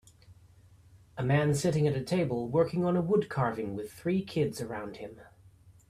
A man sitting at a table working on a wood carving with three kids around him.